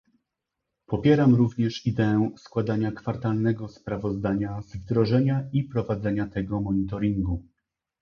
Popieram również ideę składania kwartalnego sprawozdania z wdrażania i prowadzenia tego monitoringu